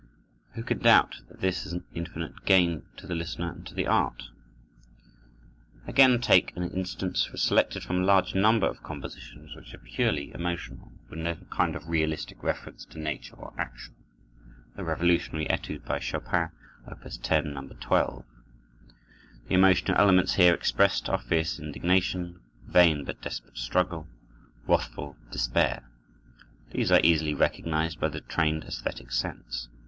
Who can doubt that this is an infinite gain to the listener and to art? Again, take an instance selected from a large number of compositions which are purely emotional, with no kind of realistic reference to nature or action, the Revolutionary Etude, by Chopin, Opus 10, No. 12. The emotional elements here expressed are fierce indignation, vain but desperate struggle, wrathful despair. These are easily recognized by the trained esthetic sense.